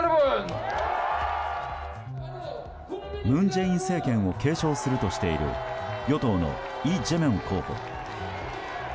文在寅政権を継承するとしている与党のイ・ジェミョン候補。